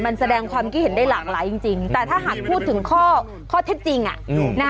มันแสดงความคิดเห็นได้หลากหลายจริงแต่ถ้าหากพูดถึงข้อข้อเท็จจริงอ่ะนะฮะ